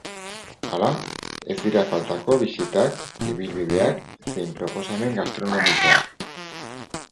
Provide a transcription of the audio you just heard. Hala, ez dira faltako, bisitak, ibilbideak zein proposamen gastronomikoak.